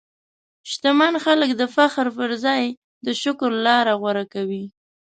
شتمن خلک د فخر پر ځای د شکر لاره غوره کوي.